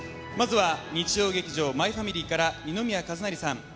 まずは日曜劇場「マイファミリー」から二宮和也さん